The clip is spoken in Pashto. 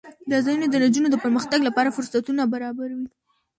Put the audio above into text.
دا ځایونه د نجونو د پرمختګ لپاره فرصتونه برابروي.